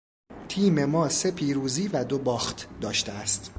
تیم ما سه پیروزی و دو باخت داشته است.